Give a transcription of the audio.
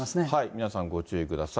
皆さんご注意ください。